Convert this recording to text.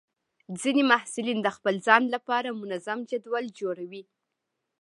ځینې محصلین د خپل ځان لپاره منظم جدول جوړوي.